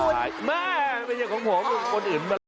ไม่ไม่ใช่ของผมเป็นคนอื่นมาแล้ว